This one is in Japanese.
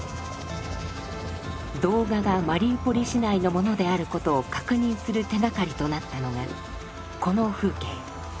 動画がマリウポリ市内のものであることを確認する手がかりとなったのがこの風景。